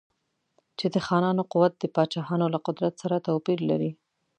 چې د خانانو قوت د پاچاهانو له قدرت سره توپیر لري.